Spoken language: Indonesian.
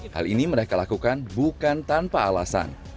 hal ini mereka lakukan bukan tanpa alasan